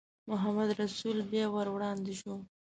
محمدرسول بیا ور وړاندې شو.